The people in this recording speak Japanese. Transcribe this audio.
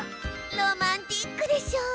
ロマンティックでしょう？